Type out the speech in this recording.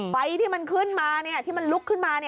ไฟที่มันขึ้นมาที่มันลุกขึ้นมา